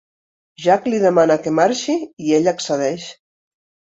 Jack li demana que marxi i ella accedeix.